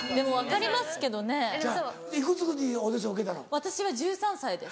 私は１３歳です。